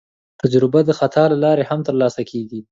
تجربه د خطا له لارې هم ترلاسه کېږي.